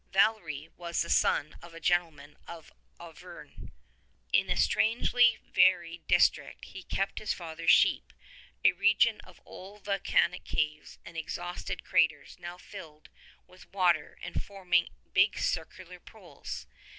Valery was the son of a gentleman of Auvergne. In a strangely varied district he kept his father's sheep — a region of old volcanic caves and exhausted craters now filled with water and forming big circular pools.